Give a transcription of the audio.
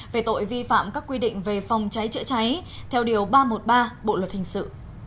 về tội vi phạm các quy định về phòng cháy chữa cháy theo điều ba trăm một mươi ba bộ luật hình sự